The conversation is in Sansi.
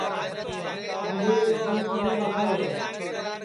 آمٻے کے چھیل کِنے ٻگائے ہے